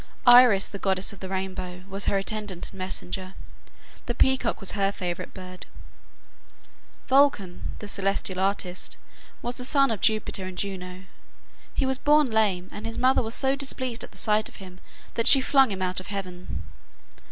Iris, the goddess of the rainbow, was her attendant and messenger. The peacock was her favorite bird. Vulcan (Hephaestos), the celestial artist, was the son of Jupiter and Juno. He was born lame, and his mother was so displeased at the sight of him that she flung him out of heaven.